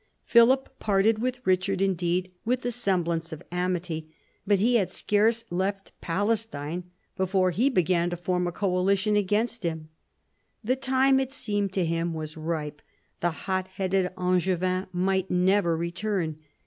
Philip parted with Richard indeed with the semblance of amity, but he had scarce left Palestine before he began to form a coalition against him. The time, it seemed to him, was ripe. The hot headed Angevin might never return.